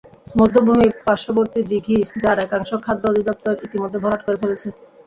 বধ্যভূমি, পার্শ্ববর্তী দিঘি, যার একাংশ খাদ্য অধিদপ্তর ইতিমধ্যে ভরাট করে ফেলেছে।